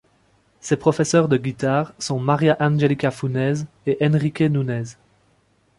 Ses professeurs de guitare sont María Angélica Funes et Enrique Núñez.